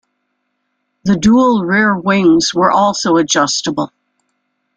The dual rear wings were also adjustable.